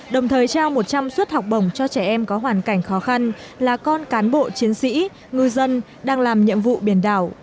đồng thời trao một trăm linh suất học bổng cho trẻ em có hoàn cảnh khó khăn là con cán bộ chiến sĩ ngư dân đang làm nhiệm vụ biển đảo